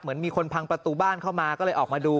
เหมือนมีคนพังประตูบ้านเข้ามาก็เลยออกมาดู